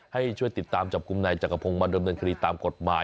ให้ช่วยติดตามจับกลุ่มนายจักรพงศ์มาดำเนินคดีตามกฎหมาย